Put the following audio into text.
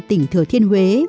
tỉnh thừa thiên huế